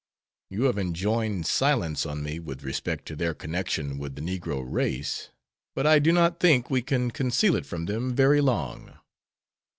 You have enjoined silence on me with respect to their connection with the negro race, but I do not think we can conceal it from them very long.